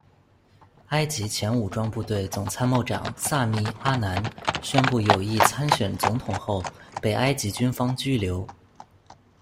埃及前武装部队总参谋长萨米·阿南宣布有意参选总统后，被埃及军方拘留。